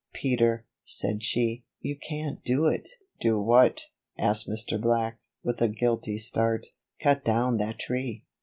"Peter," said she, "you can't do it." "Do what?" asked Mr. Black, with a guilty start. "Cut down that tree.